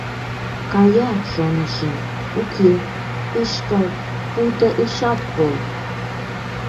Кая, шонышым, уке, ыш кай, пуйто ышат кол.